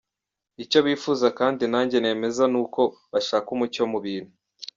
Icyo bifuza kandi nanjye nemeza ni uko bashaka umucyo mu bintu.